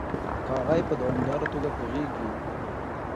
کاغۍ په دوامداره توګه کغیږي.